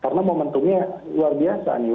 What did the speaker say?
karena momentumnya luar biasa nih